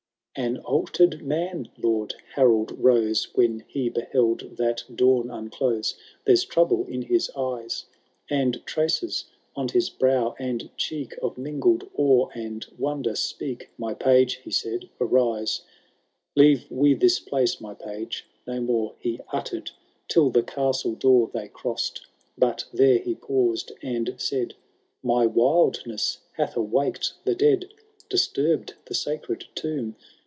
IX. An alter'd man Lord Harold rose, When he beheld that dawn unclose — There's trouble in his eyes, And traces on his brow and cheek Of mingled awe and wonder speak :" My page, he said, " arise ;— Leave we this place, my page.— No more He utter*d till the castle door They crossed — ^but there he paused and said, " My wildness hath awaked the dead — Disturbed the sacred tomb